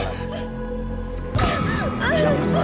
sekarang lu lah yang ikut lagi